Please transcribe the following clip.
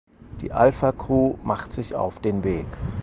Die Alpha Cru macht sich auf den Weg.